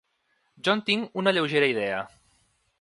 Jo en tinc una lleugera idea.